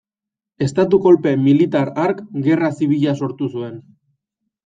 Estatu-kolpe militar hark Gerra Zibila sortu zuen.